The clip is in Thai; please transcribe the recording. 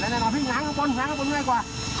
แปะแล้วพี่น้ำข้างบนง่ายกว่า